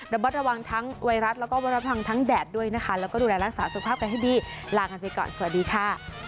บัดระวังทั้งไวรัสแล้วก็วัดระวังทั้งแดดด้วยนะคะแล้วก็ดูแลรักษาสุขภาพกันให้ดีลากันไปก่อนสวัสดีค่ะ